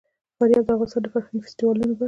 فاریاب د افغانستان د فرهنګي فستیوالونو برخه ده.